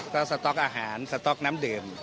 ก็สต๊อกอาหารสต๊อกน้ำดื่ม